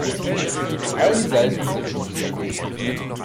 All die Seiten sind schon vergilbt.